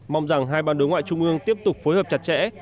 mong rằng hai ban đối ngoại trung ương tiếp tục phối hợp chặt chẽ